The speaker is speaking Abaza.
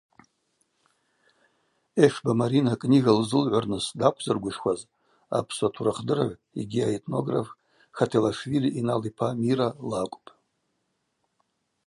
Эшба Марина книга лзылгӏвырныс даквзыргвышхваз апсуа турыхдырыгӏв йгьи аэтнограф Хотелашвили-Инал-ипа Мира лакӏвпӏ.